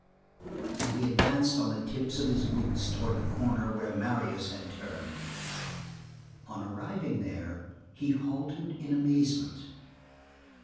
And he advanced on the tips of his boots towards the corner which Marius had turned. On arriving there, he halted in amazement.